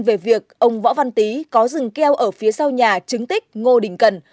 về việc ông võ văn tý có rừng keo ở phía sau nhà chứng tích ngô đình cần